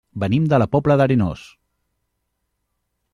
Venim de la Pobla d'Arenós.